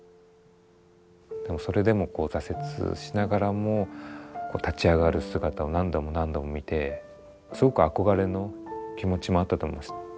でもそれでもこう挫折しながらも立ち上がる姿を何度も何度も見てすごく憧れの気持ちもあったと思います。